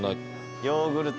ヨーグルト。